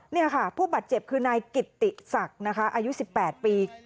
นี่ค่ะผู้บาดเจ็บคือนายกิตติศักดิ์นะคะอายุ๑๘ปี